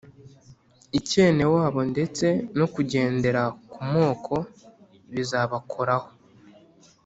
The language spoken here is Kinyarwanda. icyenewabo ndetse no kugendera ku moko bizabakoraho